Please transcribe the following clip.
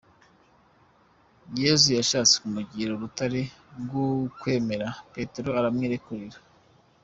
Yezu yashatse kumugira urutare rw’ukwemera, Petero aramwirekurira.